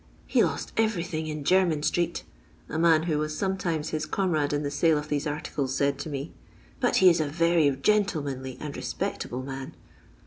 " He lost everything in Jermyn strect," a man who was sometimes his comrade in the sale of these articles &aid to me, but he is a very gentlemanly and respectable man."